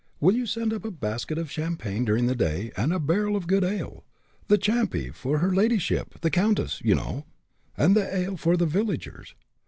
"Will you send up a basket of champagne during the day, and a barrel of good ale the champy for her ladyship, the countess, you know, and the ale for the villagers.